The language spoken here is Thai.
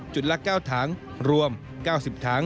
จุดละเก้าถังรวมเก้าสิบถัง